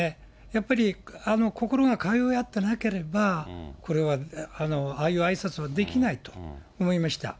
やっぱり心が通い合ってなければ、これはああいうあいさつはできないと思いました。